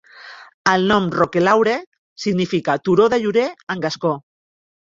El nom Roquelaure significa "turó de llorer" en gascó.